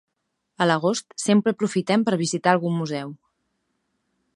A l'agost sempre aprofitem per visitar algun museu.